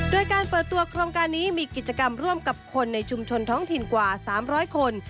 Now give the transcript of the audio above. โดยการเปิดตัวโครงการนี้มีกิจกรรมร่วมกับคนในชุมชนท้องถิ่นกว่า๓๐๐คน